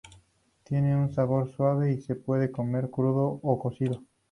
Tienen un sabor suave y se puede comer crudo o cocido.